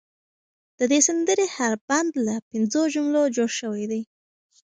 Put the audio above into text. د دې سندرې هر بند له پنځو جملو جوړ شوی دی.